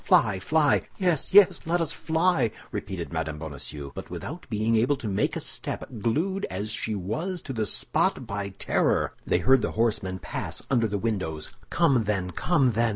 Fly, fly!" "Yes, yes, let us fly!" repeated Mme. Bonacieux, but without being able to make a step, glued as she was to the spot by terror. They heard the horsemen pass under the windows. "Come, then, come, then!"